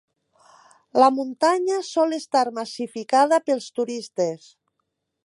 La muntanya sol estar massificada pels turistes.